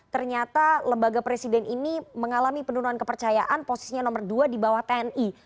ternyata lembaga presiden ini mengalami penurunan kepercayaan posisinya nomor dua di bawah tni